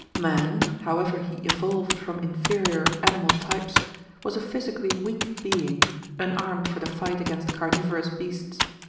Man, however he evolved from inferior animal types, was a physically weak being, unarmed for the fight against carnivorous beasts.